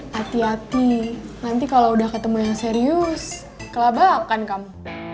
hati hati nanti kalau udah ketemu yang serius kelaba akan kamu